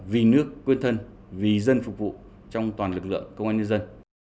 vì nước quên thân vì dân phục vụ trong toàn lực lượng công an nhân dân